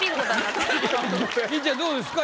みっちゃんどうですか？